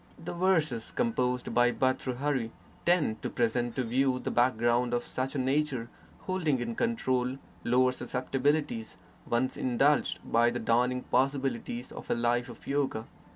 The verses composed by Bhartrhari tend to present to view the background of such a nature still holding in control lower susceptibilities, once indulged, by the dawning possibilities of a life of yoga.